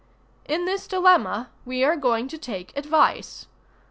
In this dilemma we are going to take advice.